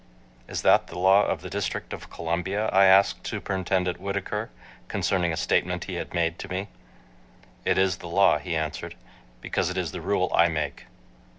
"Is that the law of the District of Columbia?" I asked Superintendent Whittaker concerning a statement he had made to me. "It is the law," he answered, "because it is the rule I make."